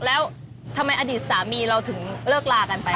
แล้วทำไมอดีตสามีเราถึงเลิกลากันไป